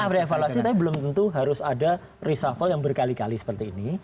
tidak ada evaluasi tapi belum tentu harus ada reshuffle yang berkali kali seperti ini